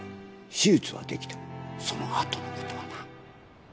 手術はできてもその後のことはな。